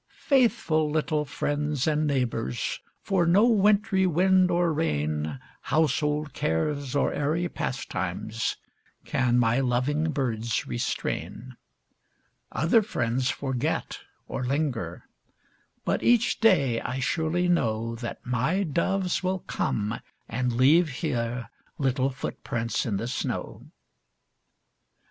Faithful little friends and neighbors, For no wintry wind or rain, Household cares or airy pastimes, Can my loving birds restrain. Other friends forget, or linger, But each day I surely know That my doves will come and leave here Little footprints in the snow.